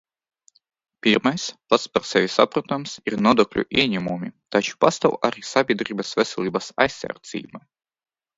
Pirmais, pats par sevi saprotams, ir nodokļu ieņēmumi, taču pastāv arī sabiedrības veselības aizsardzība.